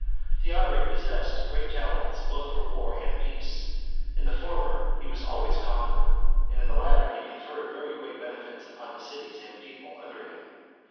Theodoric possessed great talents both for war and peace; in the former he was always conqueror, and in the latter he conferred very great benefits upon the cities and people under him.